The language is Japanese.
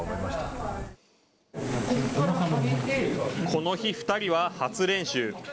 この日２人は初練習。